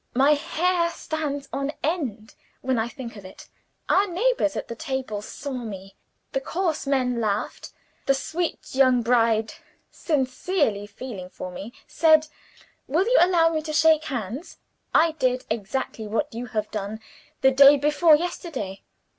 My hair stands on end, when I think of it. Our neighbors at the table saw me. The coarse men laughed. The sweet young bride, sincerely feeling for me, said, 'Will you allow me to shake hands? I did exactly what you have done the day before yesterday.